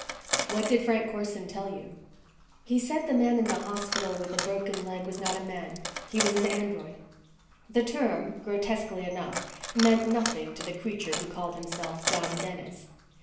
"What did Frank Corson tell you?" "He said the man in the hospital with a broken leg was not a man. He was an android." The term, grotesquely enough, meant nothing to the creature who called himself John Dennis.